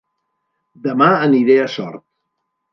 Dema aniré a Sort